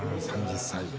３０歳。